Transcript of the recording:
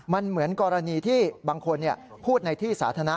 มันเหมือนกรณีที่บางคนพูดในที่สาธารณะ